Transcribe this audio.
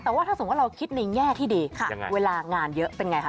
แต่ว่าถ้าสมมุติเราคิดในแง่ที่ดีเวลางานเยอะเป็นไงคะ